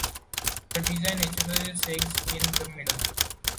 The design naturally sags in the middle.